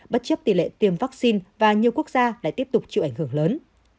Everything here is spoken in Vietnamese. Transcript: bất chấp tỷ lệ tiêm vaccine và nhiều quốc gia lại tiếp tục chịu ảnh hưởng lớn